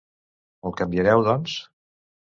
Me'l canviareu, doncs?